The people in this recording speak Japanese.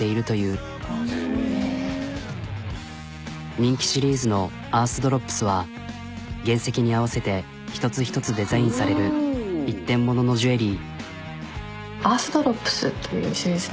人気シリーズの原石に合わせて一つ一つデザインされる一点もののジュエリー。